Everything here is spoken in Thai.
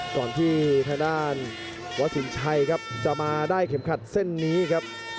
ก่อนที่ทางด้านวัดสินชัยครับจะมาได้เข็มขัดเส้นนี้ครับ